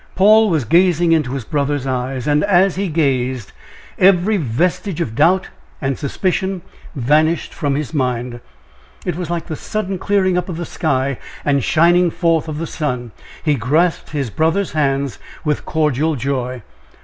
Paul was gazing into his brother's eyes, and, as he gazed, every vestige of doubt and suspicion vanished from his mind; it was like the sudden clearing up of the sky, and shining forth of the sun; he grasped his brother's hands with cordial joy.